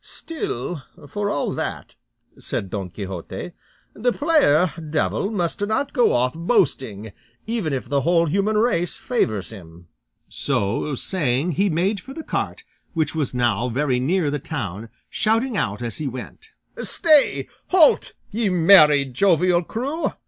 "Still, for all that," said Don Quixote, "the player devil must not go off boasting, even if the whole human race favours him." So saying, he made for the cart, which was now very near the town, shouting out as he went, "Stay! halt! ye merry, jovial crew!